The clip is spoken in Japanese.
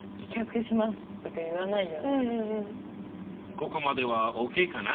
ここまではＯＫかな？